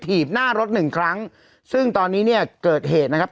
ีบหน้ารถหนึ่งครั้งซึ่งตอนนี้เนี่ยเกิดเหตุนะครับ